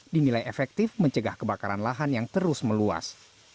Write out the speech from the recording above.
dinilai efektif mencegah kebakaran lahan yang terus meluas